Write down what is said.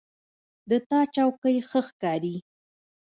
د تا چوکۍ ښه ښکاري